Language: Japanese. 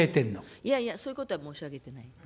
いやいや、そういうことは申し上げてないです。